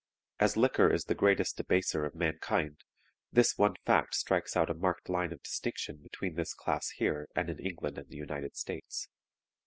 As liquor is the greatest debaser of mankind, this one fact strikes out a marked line of distinction between this class here and in England and the United States.